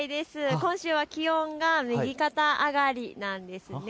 今週は気温が右肩上がりなんです。